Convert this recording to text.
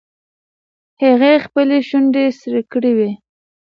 هغې خپلې شونډې سرې کړې وې.